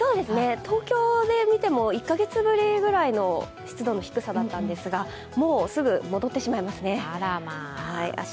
東京で見ても１カ月ぶりぐらいの湿度の低さだったんですがもうすぐ戻ってしまいますね。